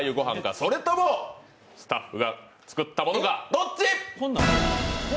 それともスタッフが作ったものか、どっち？